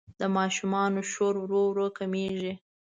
د ماشومانو شور ورو ورو کمېږي.